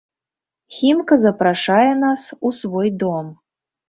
Хімка запрашае нас у свой дом.